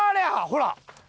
ほら！